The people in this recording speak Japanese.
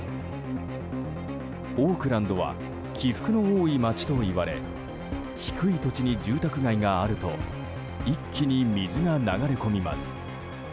オークランドは起伏の多い街ともいわれ低い土地に住宅街があると一気に水が流れ込みます。